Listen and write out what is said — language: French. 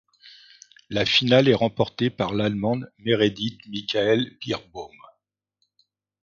La finale est remportée par l'allemande Meredith Michaels-Beerbaum.